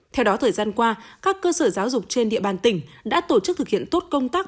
theo đó thời gian qua các cơ sở giáo dục trên địa bàn tỉnh đã tổ chức thực hiện tốt công tác